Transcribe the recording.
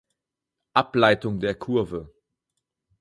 Ableitung der Kurve.